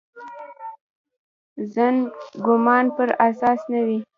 ظن ګومان پر اساس نه وي.